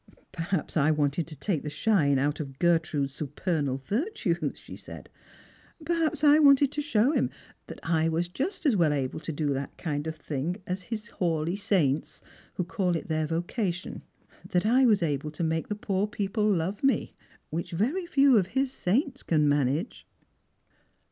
"Perhaps I wanted to take the shine out of Gertrude's Bupernal virtues," she said. " Perhaps I wanted to show him that I was just as v/ell able to do that kind of a thing as his Hawleigh saints, v '^o call it their vocation — that I was able to make the poor people love me, which very few of his saints can manage."